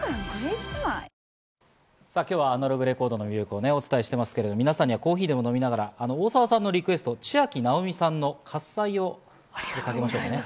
今日はアナログレコードの魅力をお伝えしていますが、皆さんにはコーヒーでも飲みながら、大沢さんのリクエスト、ちあきなおみさんの『喝采』をかけましょうね。